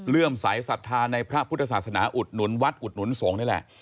ืมสายศรัทธาในพระพุทธศาสนาอุดหนุนวัดอุดหนุนสงฆ์นี่แหละ